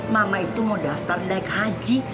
mama itu mau daftar naik haji